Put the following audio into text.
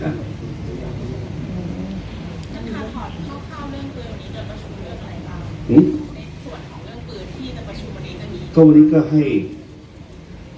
ก็เข้าเบื่อวันนี้เดี๋ยวประชุมเรื่องอะไรบ้าง